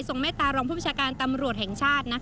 เมตตารองผู้ประชาการตำรวจแห่งชาติ